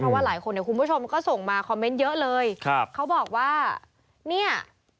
เพราะว่าหลายคนในคุณผู้ชมก็ส่งมาคอมเมนท์เยอะเลย